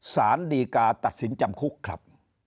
สารดีกาตัดสินจำคุกครับ